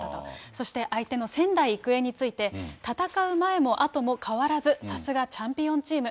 そして相手の仙台育英について、戦う前も後も変わらずさすがチャンピオンチーム。